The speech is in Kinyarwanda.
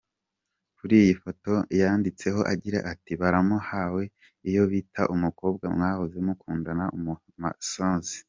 Kuri iyi foto yanditseho agira ati “ Baramu bawe iyo bita umukobwa mwahoze mukundana umumansuzi….